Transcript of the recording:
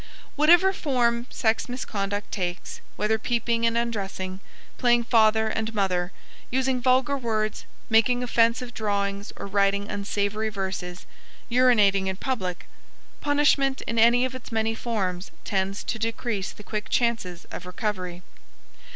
Whatever form sex misconduct takes whether peeping and undressing, playing "father and mother," using vulgar words, making offensive drawings or writing unsavory verses, urinating in public punishment in any of its many forms tends to decrease the quick chances of recovery.